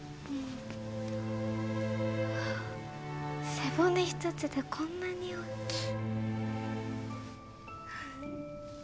背骨一つでこんなに大きい。